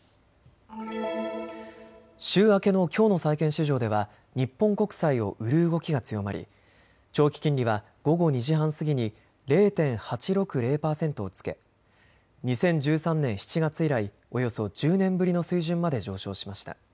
週明けのきょうの債券市場では日本国債を売る動きが強まり長期金利は午後２時半過ぎに０．８６０％をつけ、２０１３年７月以来およそ１０年ぶりの水準まで上昇しました。